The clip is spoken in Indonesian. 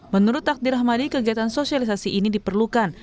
menurut takdir ahmadi kegiatan sosialisasi ini diperlukan